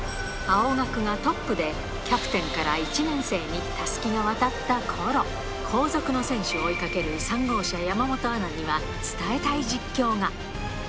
青学がトップでキャプテンから１年生にたすきが渡ったころ、後続の選手を追いかける３号車、山本アナには、伝えたい実況が。